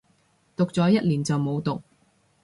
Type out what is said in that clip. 讀咗一年就冇讀